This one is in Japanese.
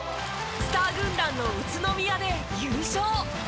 スター軍団の宇都宮で優勝。